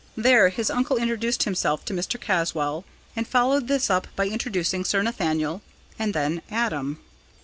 There his uncle introduced himself to Mr. Caswall, and followed this up by introducing Sir Nathaniel and then Adam.